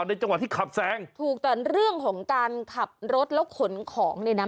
จังหวะที่ขับแซงถูกแต่เรื่องของการขับรถแล้วขนของเนี่ยนะ